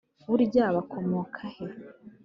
burya bakomoka he